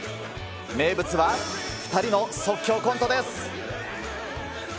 名物は、２人の即興コントです。